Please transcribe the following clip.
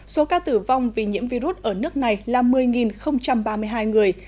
số ca tử vong vì nhiễm virus ở nước này là một mươi ba mươi hai người